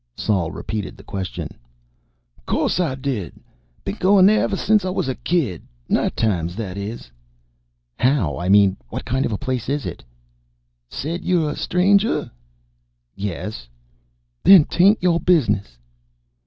Sol repeated the question. "Course I did. Been goin' there ever since I was a kid. Night times, that is." "How I mean, what kind of place is it?" "Said you're a stranger?" "Yes." "Then 'tain't your business."